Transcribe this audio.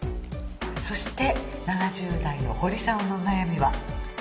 そして７０代の堀さんのお悩みは？